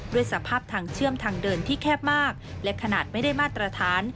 ด้วยสภาพทางเชื่อมทางเดินที่แคบมากและขนาดไม่ได้มาตรฐาน